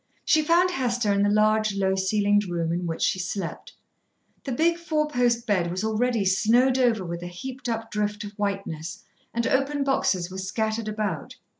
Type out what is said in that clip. She found Hester in the large, low ceilinged room in which she slept. The big four post bed was already snowed over with a heaped up drift of whiteness, and open boxes were scattered about.